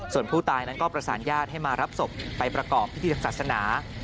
ส่วนผู้ตายนั้นก็ประสานญาติให้มารับศพไปประกอบพิธีทางศาสนา